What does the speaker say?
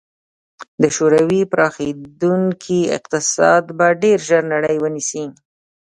د شوروي پراخېدونکی اقتصاد به ډېر ژر نړۍ ونیسي.